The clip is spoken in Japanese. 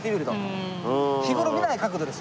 日頃見ない角度ですよ。